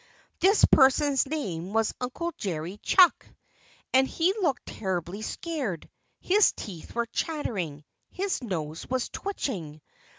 This person's name was Uncle Jerry Chuck. And he looked terribly scared. His teeth were chattering. His nose was twitching.